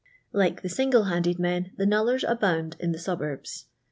Like the single handed men the knullers abound in the suburbs.